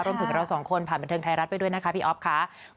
รวมถึงเราสองคนผ่านบันเทิงไทยรัฐไปด้วยนะคะพี่อ๊อฟค่ะ